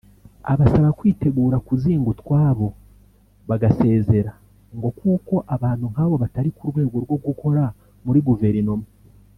Abasaba kwitegura kuzinga utwabo bagasezera ngo kuko abantu nk’abo batari ku rwego rwo gukora muri guverinoma